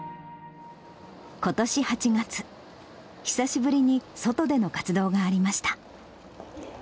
ことし８月、久しぶりに外での活動がありました。